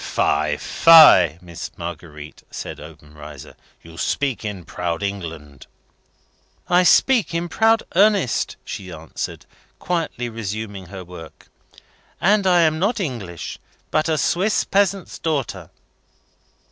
"Fie, fie, Miss Marguerite," said Obenreizer. "You speak in proud England." "I speak in proud earnest," she answered, quietly resuming her work, "and I am not English, but a Swiss peasant's daughter."